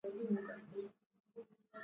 hilo ni jukumu letu sote kuadhamini na